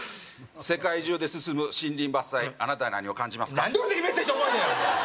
世界中で進む森林伐採あなたは何を感じますか？